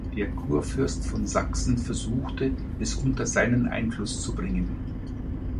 Der Kurfürst von Sachsen versuchte, es unter seinen Einfluss zu bringen.